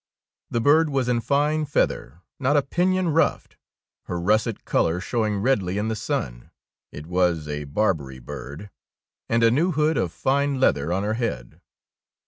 The bird was in flne feather, not a pinion ruffed, her russet colour show ing redly in the sun, — it was a Bar berry bird, — and a new hood of flne 2 THE KOBE OF THE DUCHESS leather on her head.